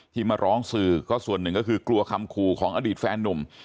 มาร้องสื่อก็ส่วนหนึ่งก็คือกลัวคำขู่ของอดีตแฟนนุ่ม